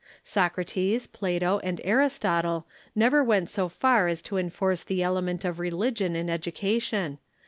Socrates, Plato, and Aristotle never went so far as to enforce the element of religion in education.